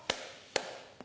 あ！